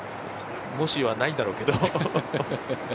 もしはないんだろうけど。